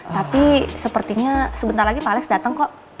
tapi sepertinya sebentar lagi pak alex datang kok